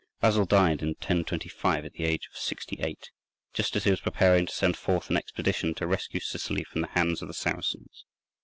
Basil died in 1025 at the age of sixty eight, just as he was preparing to send forth an expedition to rescue Sicily from the hands of the Saracens.